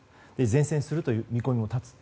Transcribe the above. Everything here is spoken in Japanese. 善戦するという見込みも立つ。